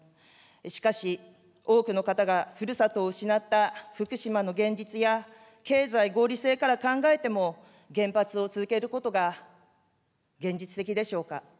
しかし、多くの方がふるさとを失った福島の現実や、経済合理性から考えても、原発を続けることが現実的でしょうか。